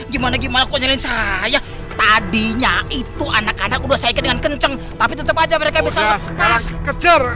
gimana gimana kok nyelin saya tadinya itu anak anak udah saya dengan kenceng tapi tetep aja mereka bisa kejar